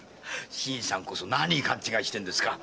新さんこそなに勘違いしてんですか？